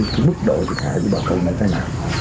cái mức độ thiệt hại của bà con sẽ thế nào